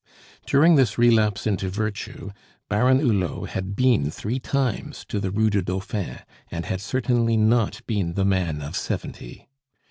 During this relapse into virtue Baron Hulot had been three times to the Rue du Dauphin, and had certainly not been the man of seventy.